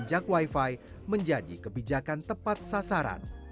mengadakan jack wifi menjadi kebijakan tepat sasaran